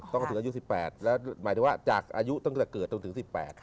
ต้องถึงอายุ๑๘แล้วหมายถึงว่าจากอายุตั้งแต่เกิดจนถึง๑๘